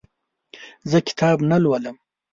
زه کتاب نه لولم.